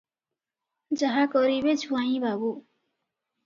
ଯାହା କରିବେ ଜୁଆଇଁ ବାବୁ ।